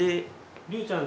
りゅうちゃん